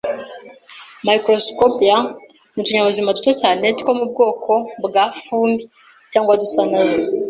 Microsporidias ni utunyabuzima duto cyane two mu bwoko bwa 'fungi' cyangwa dusa nazo